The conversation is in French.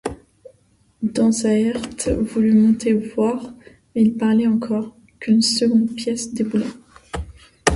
Dansaert voulut monter voir ; mais il parlait encore, qu’une seconde pièce déboula.